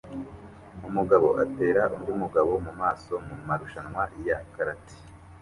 Umugabo atera undi mugabo mumaso mumarushanwa ya karate